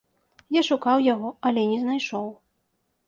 Я шукаў яго, але не знайшоў.